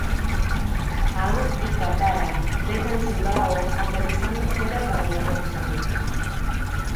Aang y Katara dejan Yu Dao, aterrizando fuera para hablar con sus amigos.